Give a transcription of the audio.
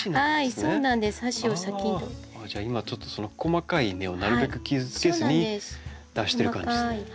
今ちょっと細かい根をなるべく傷つけずに出してる感じですね。